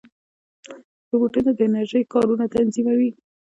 روبوټونه د انرژۍ کارونه تنظیموي.